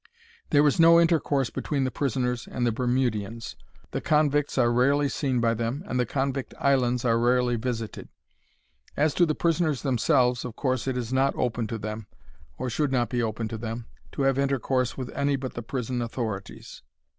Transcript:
There is no intercourse between the prisoners and the Bermudians. The convicts are rarely seen by them, and the convict islands are rarely visited. As to the prisoners themselves, of course it is not open to them—or should not be open to them—to have intercourse with any but the prison authorities.